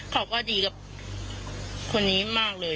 เขาก็ดีกับคนนี้มากเลย